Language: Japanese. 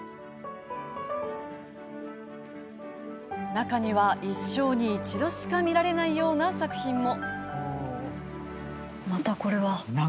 中には一生に一度しか見られないような作品も。